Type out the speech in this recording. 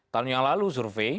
tahun yang lalu survei